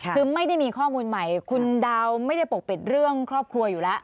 คือไม่ได้มีข้อมูลใหม่คุณดาวไม่ได้ปกปิดเรื่องครอบครัวอยู่แล้ว